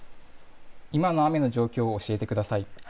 今の雨の状況を教えてください。